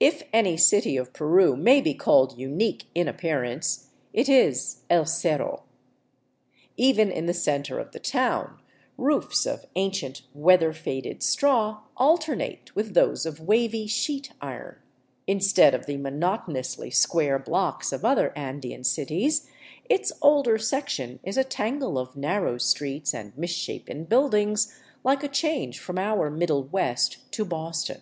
If any city of Peru may be called " unique " in appearance, it is " el Cerro." Even in the center of the town, roofs of ancient, weather faded straw alternate with those of wavy sheet iron; instead of the monotonously square blocks of other Andean cities, its older section is a tangle of narrow streets and misshapen buildings, like a change from our Middle West to Boston.